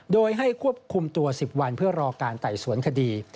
โดยให้ควบคุมตัว๑๐วันเพื่อรอการไต่สวนคดี